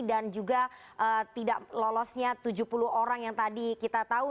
dan juga tidak lolosnya tujuh puluh orang yang tadi kita tahu